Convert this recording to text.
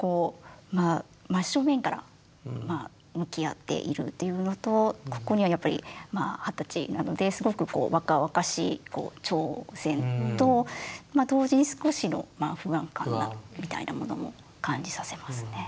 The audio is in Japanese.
真正面から向き合っているっていうのとここにはやっぱり二十歳なのですごく若々しい挑戦と同時に少しの不安感みたいなものも感じさせますね。